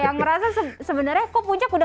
yang merasa sebenarnya kok puncak udah